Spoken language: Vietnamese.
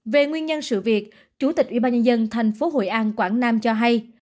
về nguyên nhân sự việc chủ tịch ubnd tp hội an quảng nam cho hay